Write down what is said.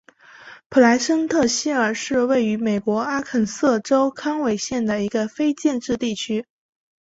普莱森特希尔是位于美国阿肯色州康韦县的一个非建制地区。